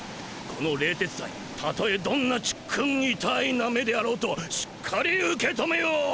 この冷徹斎たとえどんなちっくんいたーいな目であろうとしっかり受けとめよう。